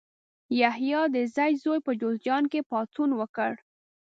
یحیی د زید زوی په جوزجان کې پاڅون وکړ.